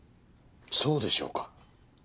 そうでしょうか？